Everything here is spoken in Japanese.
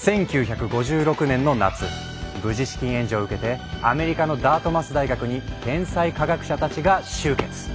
１９５６年の夏無事資金援助を受けてアメリカのダートマス大学に天才科学者たちが集結。